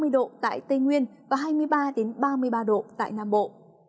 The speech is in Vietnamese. một mươi chín ba mươi độ tại tây nguyên và hai mươi ba ba mươi ba độ tại nam bộ